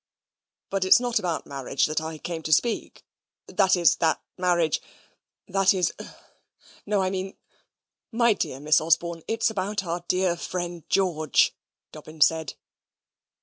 "But it's not about marriage that I came to speak that is that marriage that is no, I mean my dear Miss Osborne, it's about our dear friend George," Dobbin said.